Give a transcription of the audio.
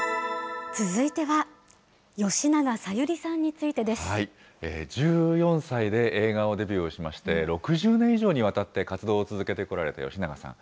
続いては、１４歳で映画デビューをしまして、６０年以上にわたって活動を続けてこられた吉永さん。